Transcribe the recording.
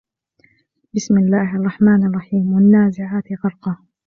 بسم الله الرحمن الرحيم والنازعات غرقا